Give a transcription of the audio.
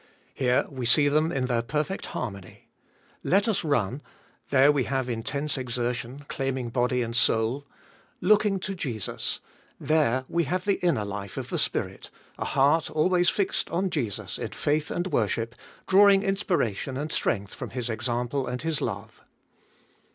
Here we see them in their perfect harmony. Let us run — there we have intense exertion, claiming body and soul; looking to Jesus— there we have the inner life of the spirit, a heart always fixed on Jesus in faith and worship, drawing inspiration and strength from His example and His love.